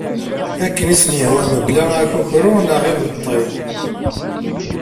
Akken i asen-yehwa mebla akukru neɣ imeṭi.